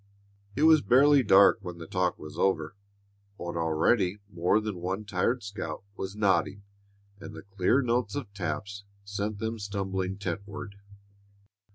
It was barely dark when the talk was over, but already more than one tired scout was nodding and the clear notes of taps sent them stumbling tentward.